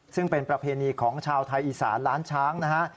ซึ่งเป็นประเพณีของชาวไทยอีสานล้านช้างนะฮะ